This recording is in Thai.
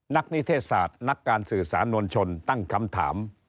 นิเทศศาสตร์นักการสื่อสารมวลชนตั้งคำถาม